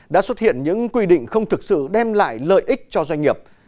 đã xuất hiện những quy định không thực sự đem lại lợi ích cho doanh nghiệp